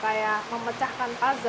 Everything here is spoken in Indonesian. kayak memecahkan puzzle